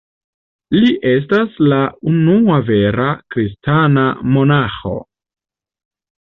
Li estas la unua vera kristana monaĥo.